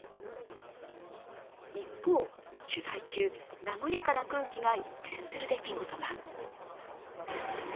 一方、取材中、和やかな空気が一変する出来事が。